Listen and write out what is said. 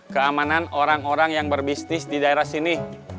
keamanan orang orang yang berbisnis di daerah sini